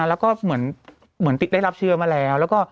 แล้วก็เหมือนติดได้รับเชื้อมาแล้ว